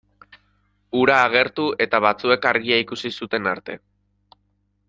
Hura agertu eta batzuek argia ikusi zuten arte.